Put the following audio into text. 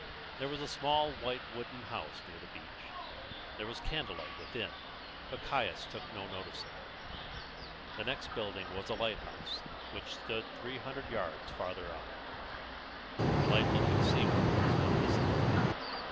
There was a small white wooden house near the beach; there was candlelight within, but Caius took no notice of it. The next building was a lighthouse, which stood three hundred yards farther on. The light looking seaward was not visible.